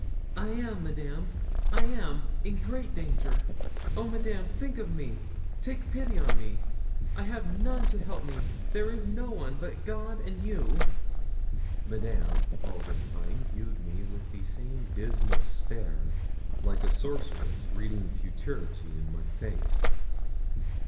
'I am, Madame I am in great danger! Oh, Madame, think of me take pity on me! I have none to help me there is no one but God and you!' Madame all this time viewed me with the same dismal stare, like a sorceress reading futurity in my face.